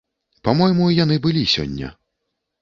Па-мойму, яны ўбылі сёння.